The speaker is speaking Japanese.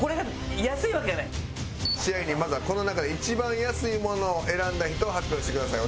支配人まずはこの中で一番安いものを選んだ人を発表してください。